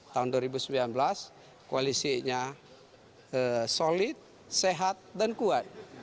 tahun dua ribu sembilan belas koalisinya solid sehat dan kuat